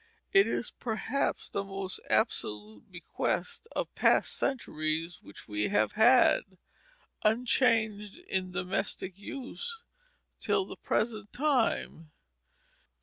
It is, perhaps, the most absolute bequest of past centuries which we have had, unchanged, in domestic use till the present time.